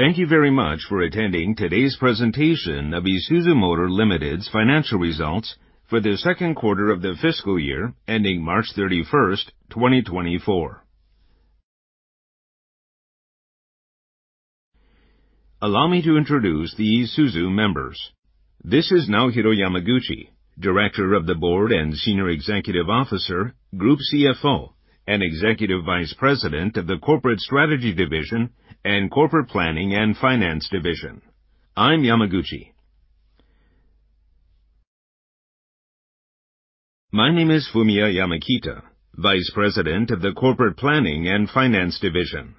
Thank you very much for attending today's presentation of Isuzu Motors Limited's financial results for the second quarter of the fiscal year ending March 31, 2024. Allow me to introduce the Isuzu members. This is Naohiro Yamaguchi, Director of the Board and Senior Executive Officer, Group CFO, and Executive Vice President of the Corporate Strategy Division and Corporate Planning and Finance Division. I'm Yamaguchi. My name is Fumiya Yamakita, Vice President of the Corporate Planning and Finance Division.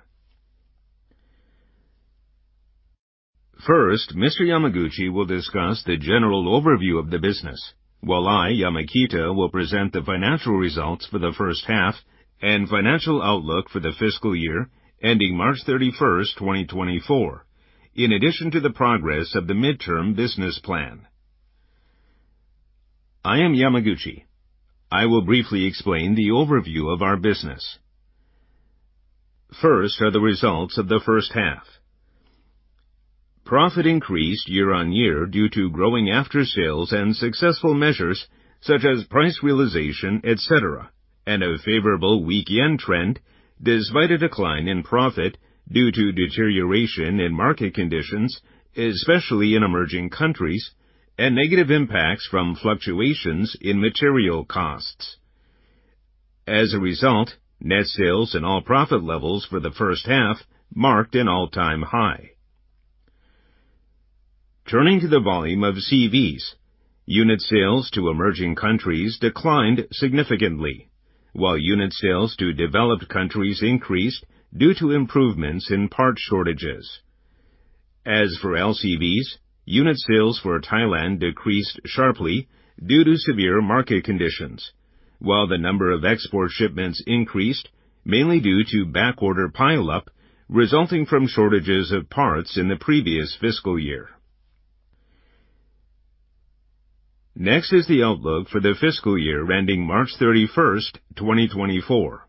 First, Mr. Yamaguchi will discuss the general overview of the business, while I, Yamakita, will present the financial results for the first half and financial outlook for the fiscal year ending March 31, 2024, in addition to the progress of the midterm business plan. I am Yamaguchi. I will briefly explain the overview of our business. First are the results of the first half. Profit increased year-on-year due to growing after-sales and successful measures such as price realization, et cetera, and a favorable weak yen trend, despite a decline in profit due to deterioration in market conditions, especially in emerging countries, and negative impacts from fluctuations in material costs. As a result, net sales and all profit levels for the first half marked an all-time high. Turning to the volume of CVs, unit sales to emerging countries declined significantly, while unit sales to developed countries increased due to improvements in part shortages. As for LCVs, unit sales for Thailand decreased sharply due to severe market conditions, while the number of export shipments increased mainly due to backorder pileup, resulting from shortages of parts in the previous fiscal year. Next is the outlook for the fiscal year ending March 31, 2024.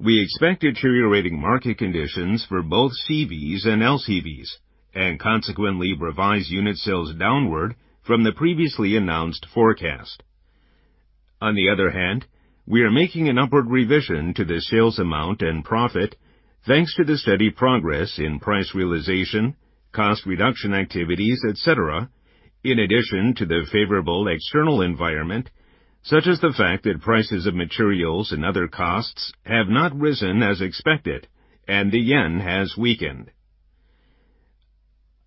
We expect deteriorating market conditions for both CVs and LCVs and consequently revise unit sales downward from the previously announced forecast. On the other hand, we are making an upward revision to the sales amount and profit, thanks to the steady progress in price realization, cost reduction activities, et cetera, in addition to the favorable external environment, such as the fact that prices of materials and other costs have not risen as expected and the yen has weakened.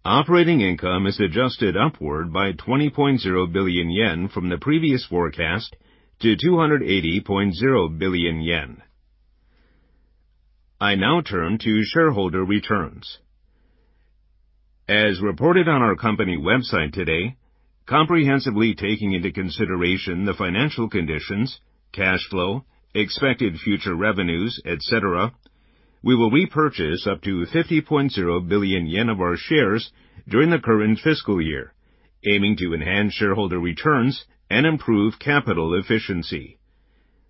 Operating income is adjusted upward by 20.0 billion yen from the previous forecast to 280.0 billion yen. I now turn to shareholder returns. As reported on our company website today, comprehensively taking into consideration the financial conditions, cash flow, expected future revenues, et cetera, we will repurchase up to 50.0 billion yen of our shares during the current fiscal year, aiming to enhance shareholder returns and improve capital efficiency.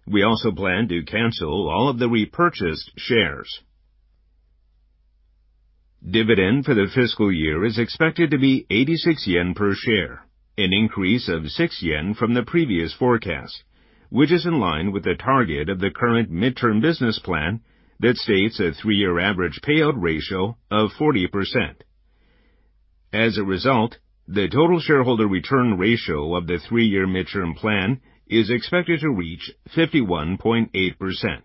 We also plan to cancel all of the repurchased shares. Dividend for the fiscal year is expected to be 86 yen per share, an increase of 6 yen from the previous forecast, which is in line with the target of the current midterm business plan that states a three-year average payout ratio of 40%. As a result, the total shareholder return ratio of the three-year midterm plan is expected to reach 51.8%.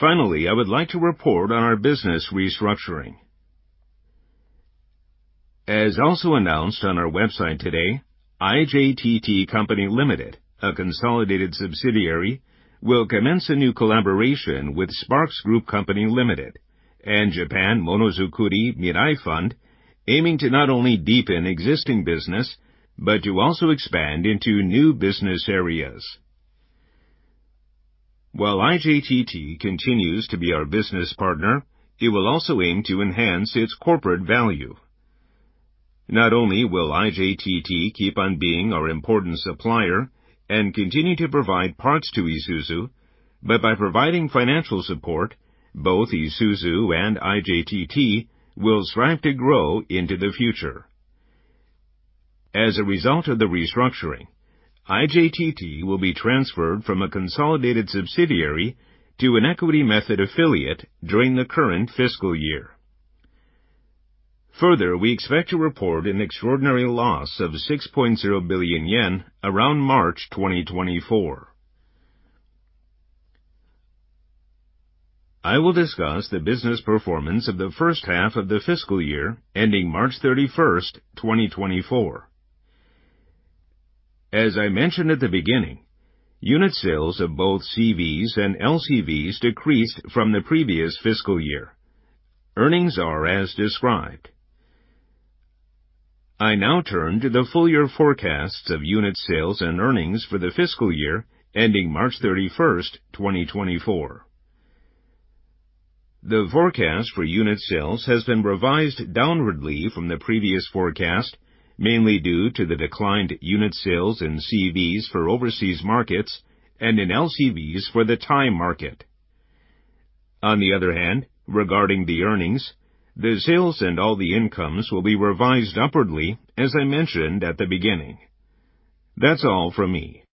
Finally, I would like to report on our business restructuring. As also announced on our website today, IJTT Co., Ltd., a consolidated subsidiary, will commence a new collaboration with SPARX Group Co., Ltd. and Japan Monozukuri Mirai Fund, aiming to not only deepen existing business but to also expand into new business areas. While IJTT continues to be our business partner, it will also aim to enhance its corporate value. Not only will IJTT keep on being our important supplier and continue to provide parts to Isuzu, but by providing financial support, both Isuzu and IJTT will strive to grow into the future. As a result of the restructuring, IJTT will be transferred from a consolidated subsidiary to an equity method affiliate during the current fiscal year. Further, we expect to report an extraordinary loss of 6.0 billion yen around March 2024. I will discuss the business performance of the first half of the fiscal year, ending March 31, 2024. As I mentioned at the beginning, unit sales of both CVs and LCVs decreased from the previous fiscal year. Earnings are as described. I now turn to the full year forecasts of unit sales and earnings for the fiscal year, ending March 31, 2024.... The forecast for unit sales has been revised downwardly from the previous forecast, mainly due to the declined unit sales in CVs for overseas markets and in LCVs for the Thai market. On the other hand, regarding the earnings, the sales and all the incomes will be revised upwardly, as I mentioned at the beginning. That's all from me.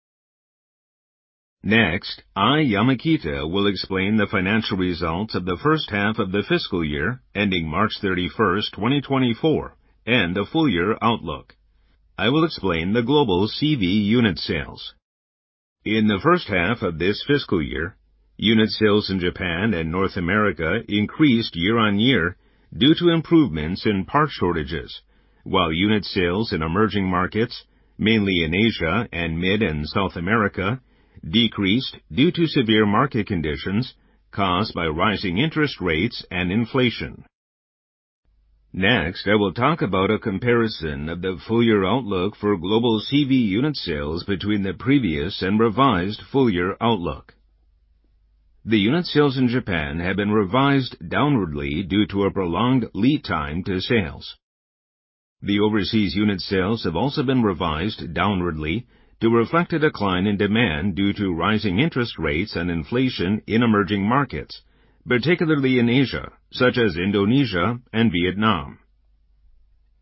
Next, I, Yamakita, will explain the financial results of the first half of the fiscal year, ending March 31, 2024, and the full year outlook. I will explain the global CV unit sales. In the first half of this fiscal year, unit sales in Japan and North America increased year-on-year due to improvements in part shortages, while unit sales in emerging markets, mainly in Asia and Mid and South America, decreased due to severe market conditions caused by rising interest rates and inflation. Next, I will talk about a comparison of the full year outlook for global CV unit sales between the previous and revised full year outlook. The unit sales in Japan have been revised downwardly due to a prolonged lead time to sales. The overseas unit sales have also been revised downwardly to reflect a decline in demand due to rising interest rates and inflation in emerging markets, particularly in Asia, such as Indonesia and Vietnam.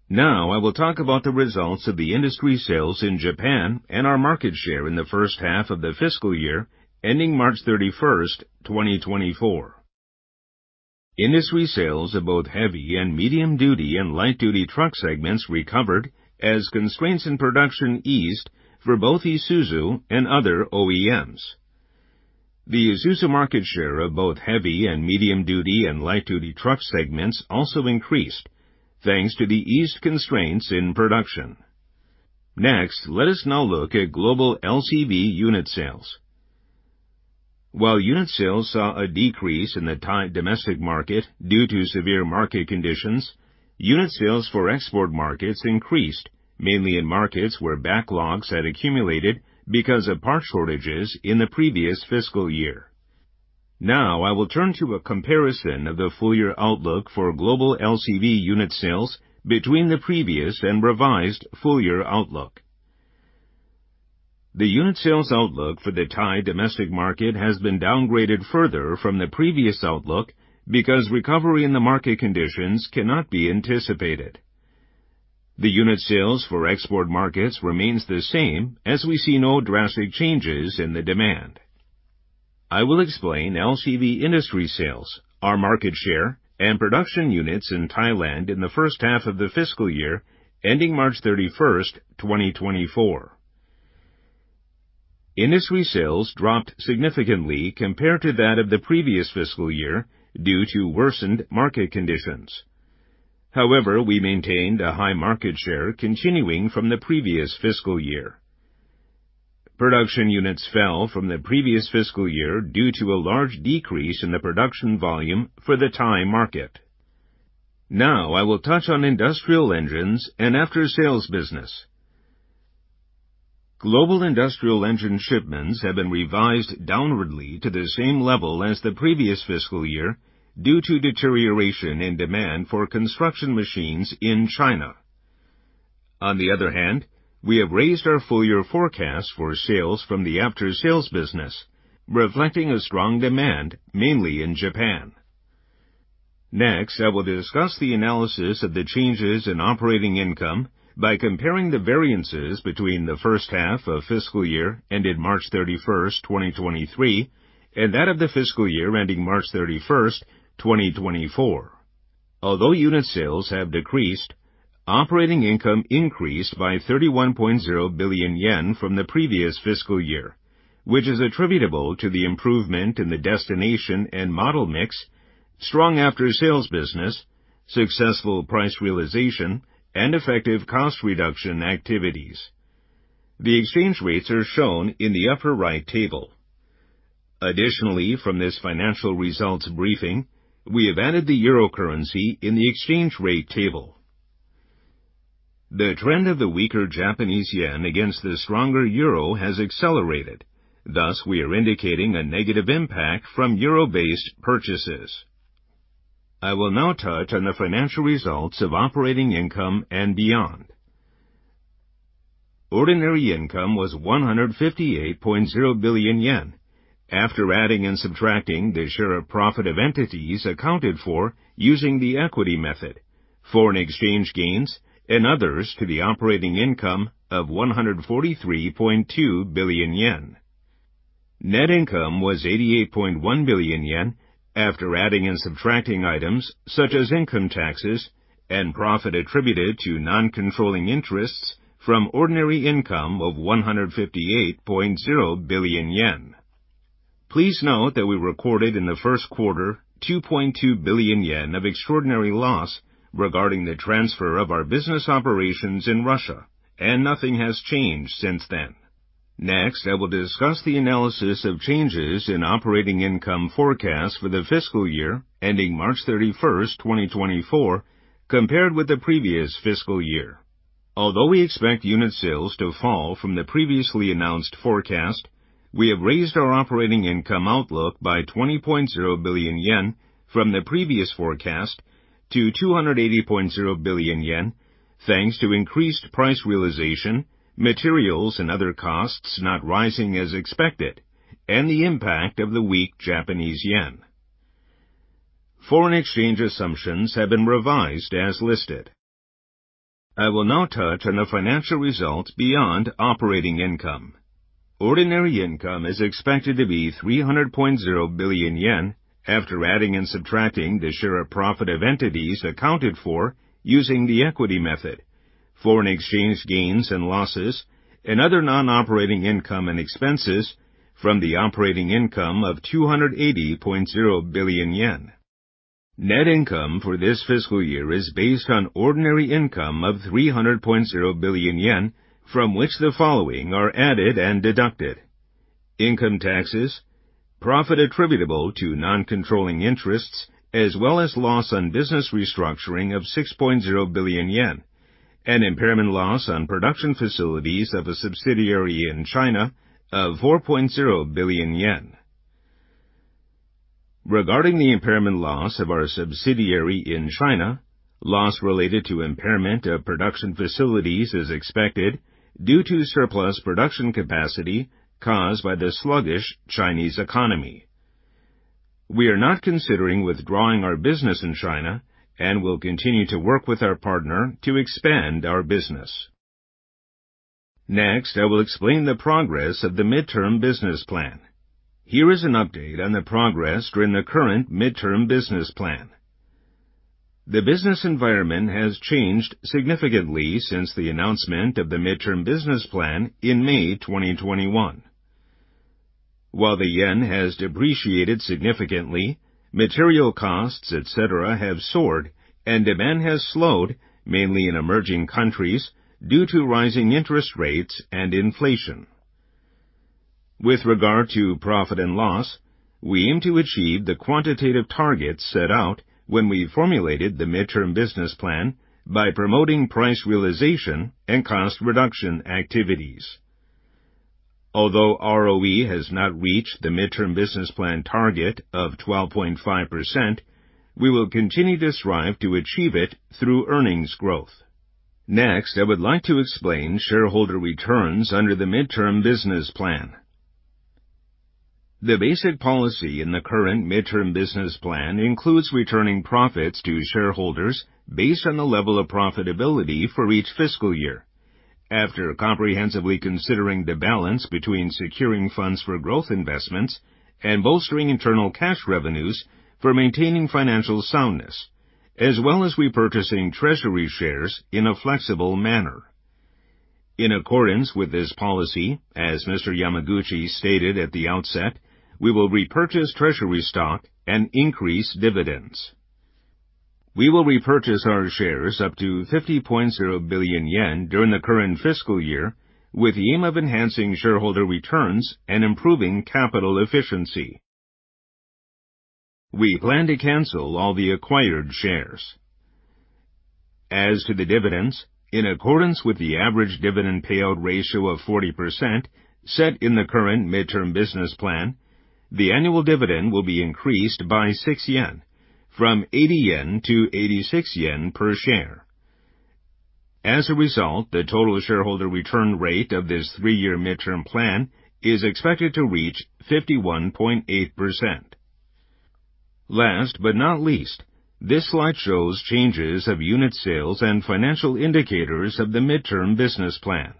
Now, I will talk about the results of the industry sales in Japan and our market share in the first half of the fiscal year ending March 31, 2024. Industry sales of both heavy and medium-duty and light-duty truck segments recovered as constraints in production eased for both Isuzu and other OEMs. The Isuzu market share of both heavy and medium-duty and light-duty truck segments also increased, thanks to the eased constraints in production. Next, let us now look at global LCV unit sales. While unit sales saw a decrease in the Thai domestic market due to severe market conditions, unit sales for export markets increased, mainly in markets where backlogs had accumulated because of part shortages in the previous fiscal year. Now, I will turn to a comparison of the full year outlook for global LCV unit sales between the previous and revised full year outlook. The unit sales outlook for the Thai domestic market has been downgraded further from the previous outlook, because recovery in the market conditions cannot be anticipated. The unit sales for export markets remains the same, as we see no drastic changes in the demand. I will explain LCV industry sales, our market share, and production units in Thailand in the first half of the fiscal year, ending March 31, 2024. Industry sales dropped significantly compared to that of the previous fiscal year due to worsened market conditions. However, we maintained a high market share continuing from the previous fiscal year. Production units fell from the previous fiscal year due to a large decrease in the production volume for the Thai market. Now, I will touch on industrial engines and after-sales business. Global industrial engine shipments have been revised downward to the same level as the previous fiscal year, due to deterioration in demand for construction machines in China. On the other hand, we have raised our full year forecast for sales from the after-sales business, reflecting a strong demand, mainly in Japan. Next, I will discuss the analysis of the changes in operating income by comparing the variances between the first half of fiscal year, ended March thirty-first, 2023, and that of the fiscal year ending March thirty-first, 2024. Although unit sales have decreased, operating income increased by 31.0 billion yen from the previous fiscal year, which is attributable to the improvement in the destination and model mix, strong after-sales business, successful price realization, and effective cost reduction activities. The exchange rates are shown in the upper right table. Additionally, from this financial results briefing, we have added the euro currency in the exchange rate table. The trend of the weaker Japanese yen against the stronger euro has accelerated. Thus, we are indicating a negative impact from euro-based purchases. I will now touch on the financial results of operating income and beyond. Ordinary income was 158.0 billion yen, after adding and subtracting the share of profit of entities accounted for using the equity method, foreign exchange gains and others, to the operating income of 143.2 billion yen. Net income was 88.1 billion yen after adding and subtracting items, such as income taxes and profit attributed to non-controlling interests from ordinary income of 158.0 billion yen. Please note that we recorded in the first quarter, 2.2 billion yen of extraordinary loss regarding the transfer of our business operations in Russia, and nothing has changed since then. Next, I will discuss the analysis of changes in operating income forecast for the fiscal year, ending March 31st, 2024, compared with the previous fiscal year... Although we expect unit sales to fall from the previously announced forecast, we have raised our operating income outlook by 20.0 billion yen from the previous forecast to 280.0 billion yen, thanks to increased price realization, materials and other costs not rising as expected, and the impact of the weak Japanese yen. Foreign exchange assumptions have been revised as listed. I will now touch on the financial results beyond operating income. Ordinary income is expected to be 300.0 billion yen, after adding and subtracting the share of profit of entities accounted for using the equity method, foreign exchange gains and losses, and other non-operating income and expenses from the operating income of 280.0 billion yen. Net income for this fiscal year is based on ordinary income of 300.0 billion yen, from which the following are added and deducted: income taxes, profit attributable to non-controlling interests, as well as loss on business restructuring of 6.0 billion yen, and impairment loss on production facilities of a subsidiary in China of 4.0 billion yen. Regarding the impairment loss of our subsidiary in China, loss related to impairment of production facilities is expected due to surplus production capacity caused by the sluggish Chinese economy. We are not considering withdrawing our business in China and will continue to work with our partner to expand our business. Next, I will explain the progress of the midterm business plan. Here is an update on the progress during the current midterm business plan. The business environment has changed significantly since the announcement of the midterm business plan in May 2021. While the yen has depreciated significantly, material costs, et cetera, have soared and demand has slowed, mainly in emerging countries, due to rising interest rates and inflation. With regard to profit and loss, we aim to achieve the quantitative targets set out when we formulated the midterm business plan by promoting price realization and cost reduction activities. Although ROE has not reached the midterm business plan target of 12.5%, we will continue to strive to achieve it through earnings growth. Next, I would like to explain shareholder returns under the midterm business plan. The basic policy in the current midterm business plan includes returning profits to shareholders based on the level of profitability for each fiscal year, after comprehensively considering the balance between securing funds for growth investments and bolstering internal cash revenues for maintaining financial soundness, as well as repurchasing treasury shares in a flexible manner. In accordance with this policy, as Mr. Yamaguchi stated at the outset, we will repurchase treasury stock and increase dividends. We will repurchase our shares up to 50.0 billion yen during the current fiscal year, with the aim of enhancing shareholder returns and improving capital efficiency. We plan to cancel all the acquired shares. As to the dividends, in accordance with the average dividend payout ratio of 40% set in the current midterm business plan, the annual dividend will be increased by 6 yen from 80 yen to 86 yen per share. As a result, the total shareholder return rate of this 3-year midterm plan is expected to reach 51.8%. Last but not least, this slide shows changes of unit sales and financial indicators of the midterm business plan.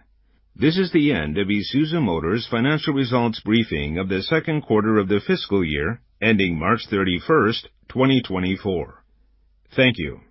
This is the end of Isuzu Motors' financial results briefing of the second quarter of the fiscal year, ending March 31, 2024. Thank you.